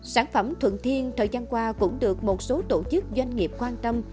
sản phẩm thuận thiên thời gian qua cũng được một số tổ chức doanh nghiệp quan tâm